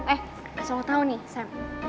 eh kasih lo tau nih sam